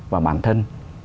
và bản thân